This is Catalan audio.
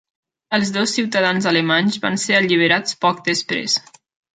Els dos ciutadans alemanys van ser alliberats poc després.